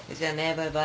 バイバイ。